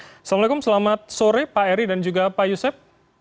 assalamualaikum selamat sore pak eri dan juga pak yusef